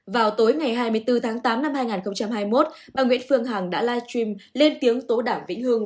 vào tối ngày hai mươi bốn tháng tám năm hai nghìn hai mươi một bà nguyễn phương hằng đã livestream lên tiếng tố đảm vĩnh hương